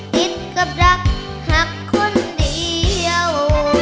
ติดกับรักหักคนเดียว